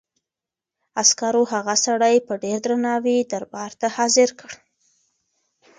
عسکرو هغه سړی په ډېر درناوي دربار ته حاضر کړ.